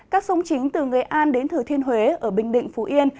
các sông chính từ nghệ an đến thừa thiên huế ở bình định phú yên